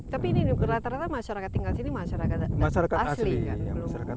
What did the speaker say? tapi ini rata rata masyarakat tinggal sini masyarakat asli kan